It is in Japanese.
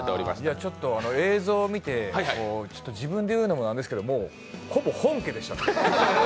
映像を見て自分で言うのもあれですけどもう、ほぼ本家でしたね。